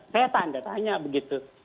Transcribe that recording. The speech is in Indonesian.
saya tanda tanya begitu